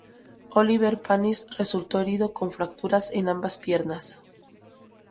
Olivier Panis resultó herido con fracturas en ambas piernas.